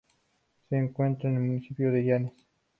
Se encuentra en el municipio de Llanes.